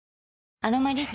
「アロマリッチ」